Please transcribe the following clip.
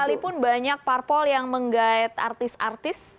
sekalipun banyak parpol yang menggait artis artis